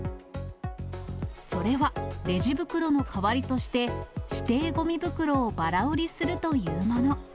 それは、レジ袋の代わりとして、指定ごみ袋をばら売りするというもの。